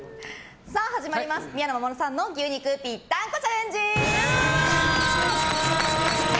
始まります、宮野真守さんの牛肉ぴったんこチャレンジ。